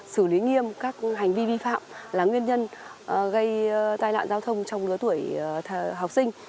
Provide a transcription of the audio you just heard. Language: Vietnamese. xử lý nghiêm các hành vi vi phạm là nguyên nhân gây tai nạn giao thông trong lứa tuổi học sinh